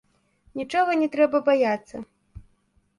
Нічога не трэба баяцца.